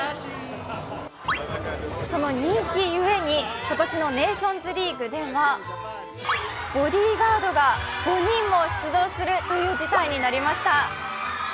その人気ゆえに、ことしのネーションズリーグではボディーガードが５人も出動するという事態になりました。